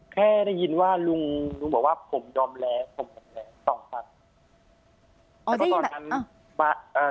แค่ได้ยินว่าลุงลุงบอกว่าผมยอมแลผมยอมแล๒ครั้ง